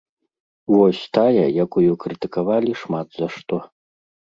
Вось тая, якую крытыкавалі шмат за што.